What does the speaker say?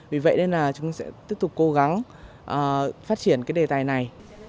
vì vậy nên là chúng sẽ tiếp tục cố gắng phát triển cái đề tài này